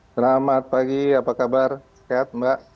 selamat pagi apa kabar sehat mbak